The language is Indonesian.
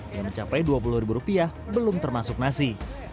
yang mencapai dua puluh ribu rupiah belum termasuk nasi